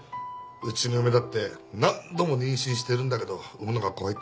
うちの嫁だって何度も妊娠してるんだけど産むのが怖いって言ってる。